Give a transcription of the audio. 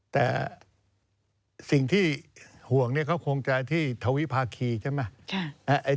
แต่สิ่งที่ห่วงเขาคงจะที่ทวิภาคีใช่ไหม